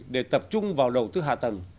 để tập trung vào đầu tư hạ tầng